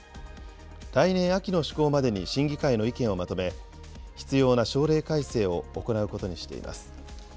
来年秋の施行までに審議会の意見をまとめ、必要な省令改正を行うことにしています。